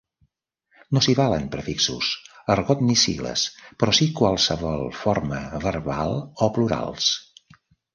No s'hi valen prefixos, argot ni sigles però sí qualsevol forma verbal o plurals.